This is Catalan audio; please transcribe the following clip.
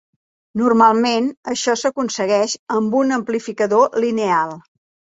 Normalment, això s'aconsegueix amb un amplificador lineal.